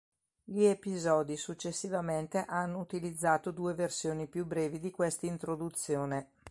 Gli episodi successivamente hanno utilizzato due versioni più brevi di quest'introduzione.